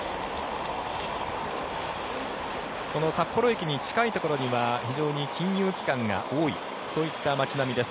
この札幌駅に近いところには非常に金融機関が多いそういった街並みです。